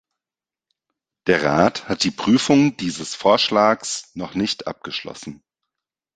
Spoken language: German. Der Rat hat die Prüfung dieses Vorschlags noch nicht abgeschlossen.